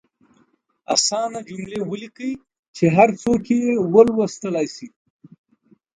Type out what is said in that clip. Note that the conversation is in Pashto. اسانه جملې ولیکئ چې هر څوک یې ولوستلئ شي.